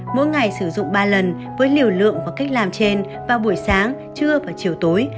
mỗi ngày sử dụng ba lần với liều lượng và cách làm trên vào buổi sáng trưa và chiều tối